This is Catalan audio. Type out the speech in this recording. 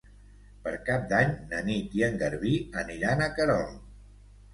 Per Cap d'Any na Nit i en Garbí aniran a Querol.